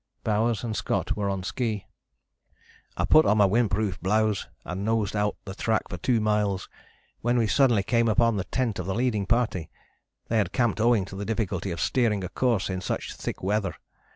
Bowers and Scott were on ski. "I put on my windproof blouse and nosed out the track for two miles, when we suddenly came upon the tent of the leading party. They had camped owing to the difficulty of steering a course in such thick weather.